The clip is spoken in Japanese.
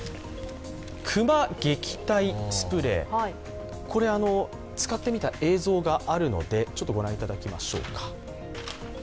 熊撃退スプレー、使ってみた映像をご覧いただきましょう。